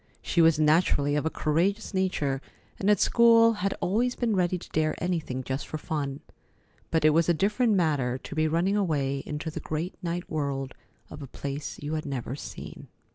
She was naturally of a courageous nature, and at school had always been ready to dare anything just for fun, but it was a different matter to be running away into the great night world of a place you had never seen.